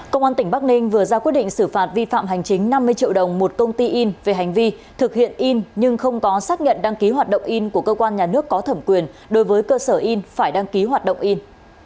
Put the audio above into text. công an tỉnh bắc ninh vừa ra quyết định xử phạt vi phạm hành chính năm mươi triệu đồng một công ty in về hành vi thực hiện in nhưng không có xác nhận đăng ký hoạt động in của cơ quan nhà nước có thẩm quyền đối với cơ sở in phải đăng ký hoạt động in